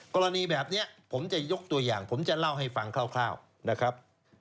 กรณีแบบนี้ผมจะยกตัวอย่างผมจะเล่าให้ฟังคร่าวนะครับ